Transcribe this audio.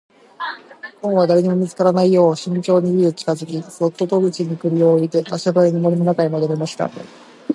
ごんは誰にも見つからないよう慎重に家へ近づき、そっと戸口に栗を置いて足早に森の中へ戻りました。